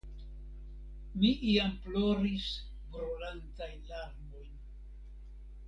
Mi iam ploris brulantajn larmojn.